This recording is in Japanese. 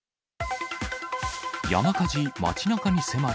山火事、街なかに迫る。